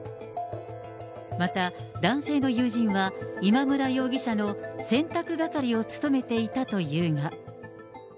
また男性の友人は、今村容疑者の洗濯係を務めていたというが。